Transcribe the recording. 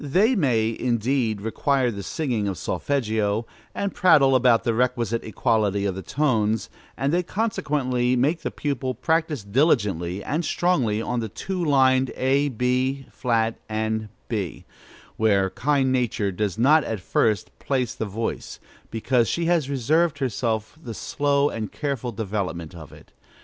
They may, indeed, require the singing of solfeggio, and prattle about the requisite equality of the tones; and they consequently make the pupil practise diligently and strongly on the two lined a, b flat, b, where kind Nature does not at first place the voice, because she has reserved for herself the slow and careful development of it.